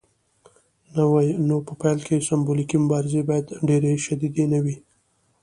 نو په پیل کې سمبولیکې مبارزې باید ډیرې شدیدې نه وي.